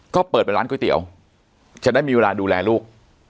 ก็เปิดเป็นร้านก๋วยเตี๋ยวจะได้มีเวลาดูแลลูก